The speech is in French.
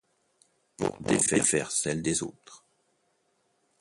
Pour défaire celle des autres.